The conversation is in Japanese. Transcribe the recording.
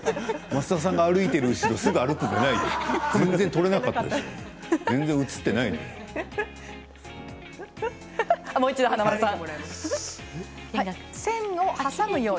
増田さんが歩いているすぐ後ろを歩くんじゃないよ。